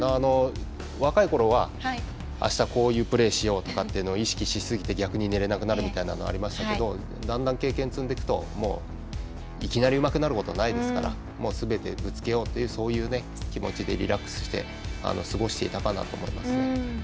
若いころは、あしたはこういうプレーをしようとか意識しすぎて逆に寝られなくなるみたいなことがありましたけどだんだん経験を積んでいくといきなりうまくなることはないのですべてぶつけようという気持ちでリラックスして過ごしていたかなと思いますね。